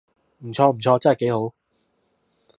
唔錯唔錯，真係幾好